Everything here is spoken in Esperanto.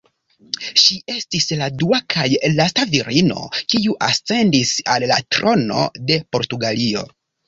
Ŝi estis la dua kaj lasta virino kiu ascendis al la trono de Portugalio.